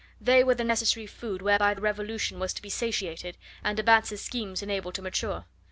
They were the necessary food whereby the Revolution was to be satiated and de Batz' schemes enabled to mature.